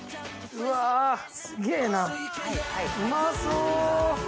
うまそう！